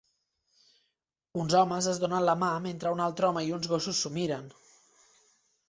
Uns homes es donen la mà mentre un altre home i uns gossos s'ho miren.